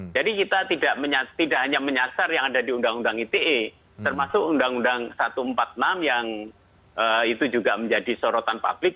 jadi kita tidak hanya menyasar yang ada di undang undang ite termasuk undang undang satu empat enam yang itu juga menjadi sorotan publik